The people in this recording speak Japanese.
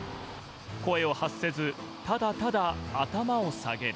声を発せず、ただただ頭を下げる。